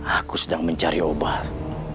aku sedang mencari obat